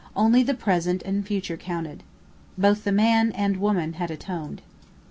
Only the present and future counted. Both the man and woman had atoned.